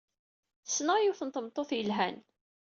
Ssneɣ yiwet n tmeṭṭut yelhan.